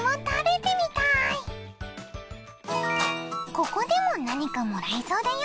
ここでも何かもらえそうだよ。